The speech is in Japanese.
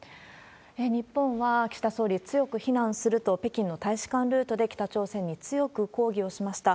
日本は、岸田総理、強く非難すると、北京の大使館ルートで北朝鮮に強く抗議をしました。